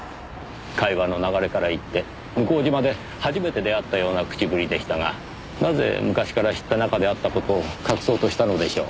会話の流れからいって向島で初めて出会ったような口ぶりでしたがなぜ昔から知った仲であった事を隠そうとしたのでしょう？